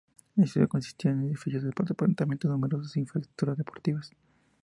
La ciudad consistirá en edificios de apartamentos y numerosas infraestructuras deportivas.